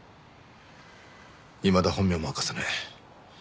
いまだ本名も明かさない。